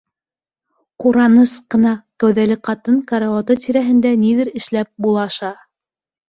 Ҡураныс ҡына кәүҙәле ҡатын карауаты тирәһендә ниҙер эшләп булаша.